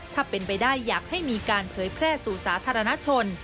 ถ้าเป็นไปได้อยากให้มีการเผยแพร่สู่สาธารณชน